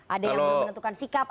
ada yang menentukan sikap